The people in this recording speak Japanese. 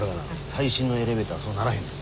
最新のエレベーターはそうならへんねん。